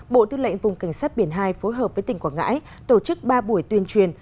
bộ tư lệnh vùng cảnh sát biển hai phối hợp với tỉnh quảng ngãi tổ chức ba buổi tuyên truyền